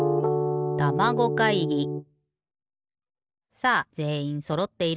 さあぜんいんそろっているかな？